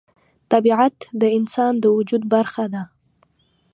طبیعت د انسان د وجود برخه ده.